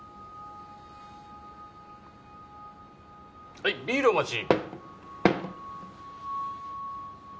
はいビールお待ち。